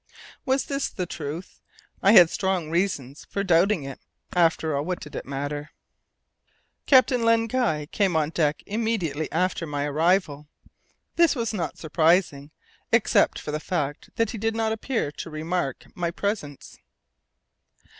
Was this the truth? I had strong reasons for doubting it. After all, what did it matter? [Illustration: Going aboard the Halbrane.] Captain Len Guy came on deck immediately after my arrival; this was not surprising, except for the fact that he did not appear to remark my presence.